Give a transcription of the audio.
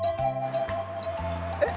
えっ